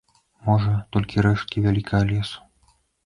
Можа, толькі рэшткі вялікага лесу.